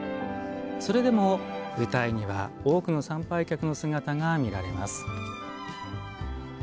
それでも、舞台には多くの参拝客の姿が見られます。